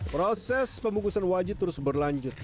proses pembungkusan wajib terus berlanjut